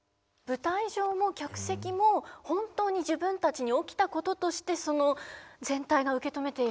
舞台上も客席も本当に自分たちに起きたこととして全体が受け止めているっていうことですよね。